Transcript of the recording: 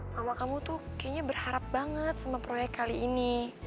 mama kamu tuh kayaknya berharap banget sama proyek kali ini